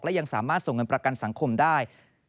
และยังสามารถส่งเงินประกันสังคมได้